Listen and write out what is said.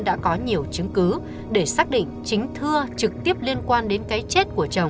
đã có nhiều chứng cứ để xác định chính thưa trực tiếp liên quan đến cái chết của chồng